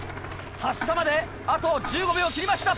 発車まであと１５秒を切りました。